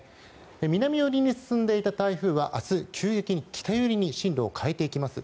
南寄りに進んでいた台風は明日、急激に北寄りに進路を変えていきます。